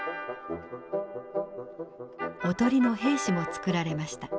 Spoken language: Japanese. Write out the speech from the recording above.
囮の兵士も作られました。